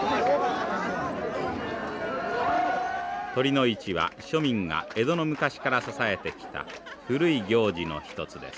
酉の市は庶民が江戸の昔から支えてきた古い行事の一つです。